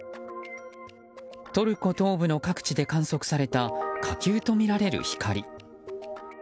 トルコ東部の各地で観測された火球とみられる光。